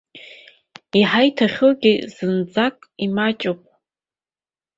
Иҳаиҭахьоугьы зынӡак имаҷӡоуп.